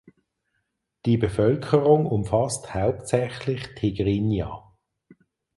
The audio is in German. Die Bevölkerung umfasst hauptsächlich Tigrinya.